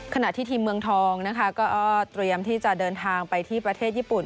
ขณะที่ทีมเมืองทองนะคะก็เตรียมที่จะเดินทางไปที่ประเทศญี่ปุ่น